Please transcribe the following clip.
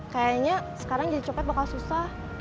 kayaknya sekarang jadi copet bakal susah